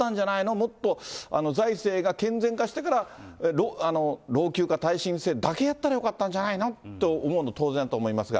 もっと財政が健全化してから、老朽化、耐震性だけやったらよかったんじゃないのと思うのは当然だと思いますが。